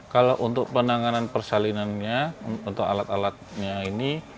kalau untuk penanganan persalinannya untuk alat alatnya ini